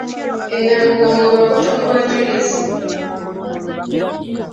E Namugongo bapoto mu bajulizi.